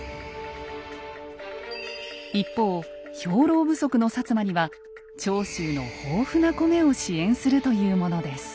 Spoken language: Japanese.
一方兵糧不足の摩には長州の豊富な米を支援するというものです。